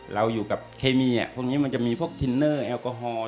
เราอยู่กับเคมีพวกนี้มันจะมีพวกทินเนอร์แอลกอฮอล์